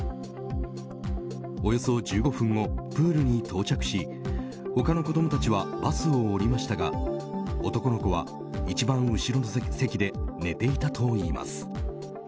およそ１５分後プールに到着し他の子供たちはバスを降りましたが男の子は一番後ろの席で寝ていたといいます。